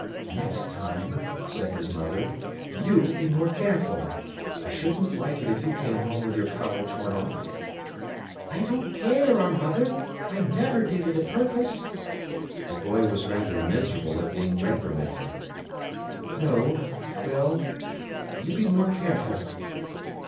"Next time," said his mother, "you be more careful. I shouldn't like it if you came home with your collar torn off." "I don't care, our mother; I never did it a purpose." The boy was rather miserable at being reprimanded. "No—well, you be more careful."